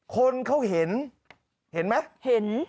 คนเขาเห็นเห็นไหมเห็น